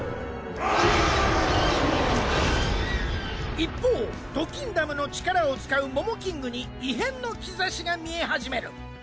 一方ドキンダムの力を使うモモキングに異変の兆しが見え始める。